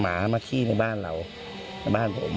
หมามาขี้ในบ้านเราในบ้านผม